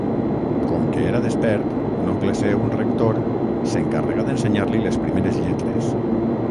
Com que era despert, un oncle seu, rector, s'encarregà d'ensenyar-li les primeres lletres.